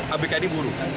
abk ini buruh